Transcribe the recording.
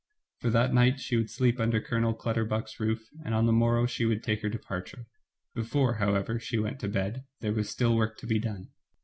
For that night she would sleep under Colonel Clutterbuck*s roof, and on the morrow she would take her departure. Before, however, she went to bed, there was still work to be done.